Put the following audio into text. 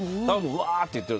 うわー！って言ってる。